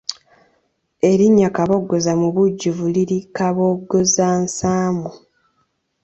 Erinnya Kaboggoza mu bujjuvu liri Kaboggozansaamu.